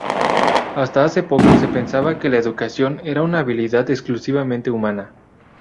Hasta hace poco, se pensaba que la educación era una habilidad exclusivamente humana.